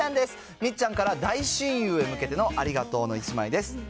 みっちゃんから大親友へ向けてのありがとうの１枚です。